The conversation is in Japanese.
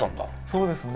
そうですね。